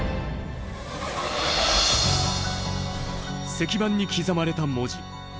石板に刻まれた文字。